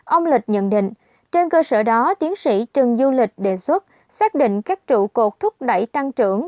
ông lịch nhận định trên cơ sở đó tiến sĩ trần du lịch đề xuất xác định các trụ cột thúc đẩy tăng trưởng